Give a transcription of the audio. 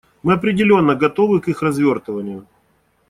Мы определенно готовы к их развертыванию.